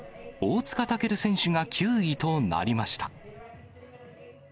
大塚健選手が９位となりました。